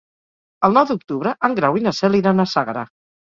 El nou d'octubre en Grau i na Cel iran a Sagra.